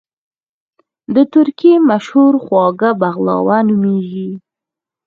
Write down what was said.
د ترکی مشهور خواږه بغلاوه نوميږي